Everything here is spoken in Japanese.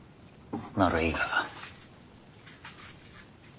ならいいが。